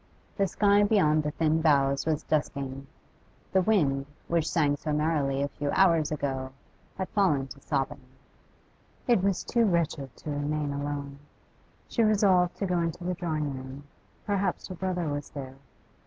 The sky beyond the thin boughs was dusking; the wind, which sang so merrily a few hours ago, had fallen to sobbing. It was too wretched to remain alone; she resolved to go into the drawing room; perhaps her brother was there.